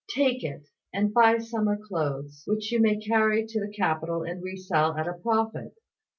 Take it, and buy summer cloth, which you may carry to the capital and re sell at a profit."